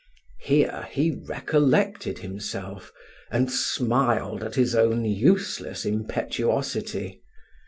Here he recollected himself, and smiled at his own useless impetuosity.